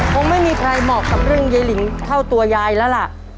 คงไม่มีใครเหมาะกับเรื่องยายลิงเท่าตัวยายแล้วล่ะ